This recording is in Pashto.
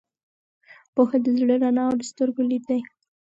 پوهه د زړه رڼا او د سترګو لید دی.